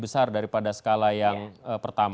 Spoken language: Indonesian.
bapak katakan tadi skalanya tidak akan berulang